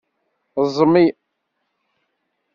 Ẓmi.